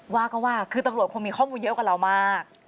ว่าก็ว่าคือตำรวจคงมีข้อมูลเยอะกว่าเรามาก